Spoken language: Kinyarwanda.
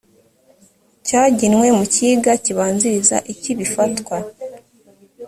cyagenwe mu gika kibanziriza iki bifatwa